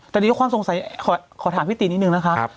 แต่ดีกว่าความสงสัยขอถามพี่ตีนนิดนึงนะครับ